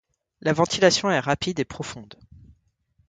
La ventilation est rapide et profonde.